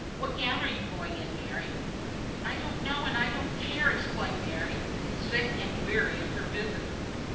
What gown are you going in, Mary?" "Oh, I don't know and don't care," exclaimed Mary, sick and weary of her visitor.